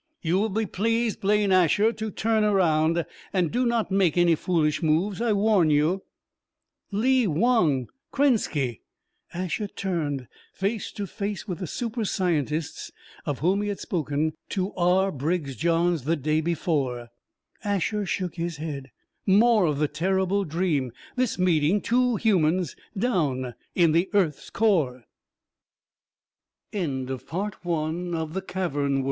"You will be pleased, Blaine Asher, to turn around! And do not make any foolish moves, I warn you." "Lee Wong! Krenski!" Asher turned, face to face with the super scientists of whom he had spoken to R. Briggs Johns the day before. Asher shook his head. More of the terrible dream, this meeting two humans down in the earth's core. "Most right, honorable Asher."